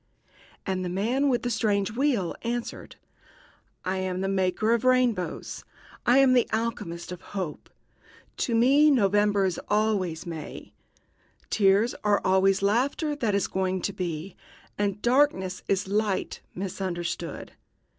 And the man with the strange wheel answered: "I am the maker of rainbows. I am the alchemist of hope. To me November is always May, tears are always laughter that is going to be, and darkness is light misunderstood.